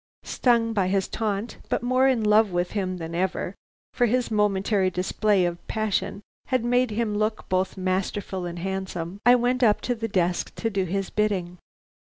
"Stung by his taunt, but more in love with him than ever, for his momentary display of passion had made him look both masterful and handsome, I went up to the desk to do his bidding.